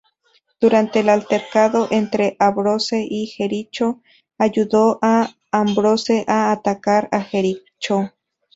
Durante el altercado entre Ambrose y Jericho, ayudó a Ambrose a atacar a Jericho.